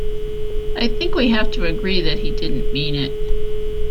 I think we have to agree that he didn't mean it.